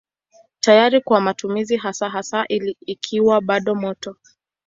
Tayari kwa matumizi hasa hasa ikiwa bado moto.